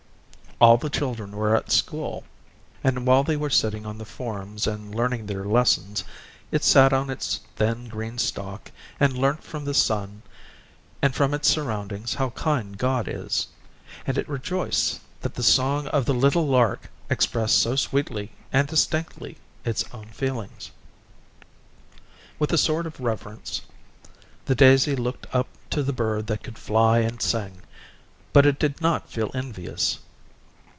All the children were at school, and while they were sitting on the forms and learning their lessons, it sat on its thin green stalk and learnt from the sun and from its surroundings how kind God is, and it rejoiced that the song of the little lark expressed so sweetly and distinctly its own feelings. With a sort of reverence the daisy looked up to the bird that could fly and sing, but it did not feel envious.